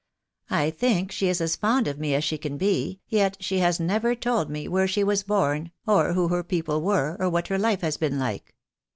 I think she is as fond of me as she can be, yet she has never told me where she was born, or who her people were, or what her life has been like.